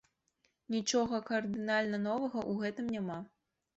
Нічога кардынальна новага ў гэтым няма.